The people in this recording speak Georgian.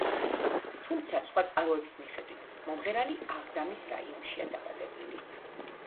თუმცა, სხვა წყაროების მიხედვით, მომღერალი აღდამის რაიონშია დაბადებული.